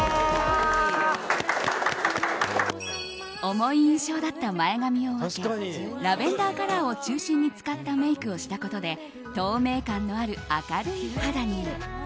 重い印象だった前髪を分けラベンダーカラーを中心に使ったメイクをしたことで透明感のある明るい肌に。